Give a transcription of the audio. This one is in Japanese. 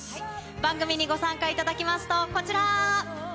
番組にご参加いただきますと、こちら。